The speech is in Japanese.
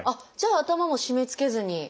じゃあ頭も締めつけずに。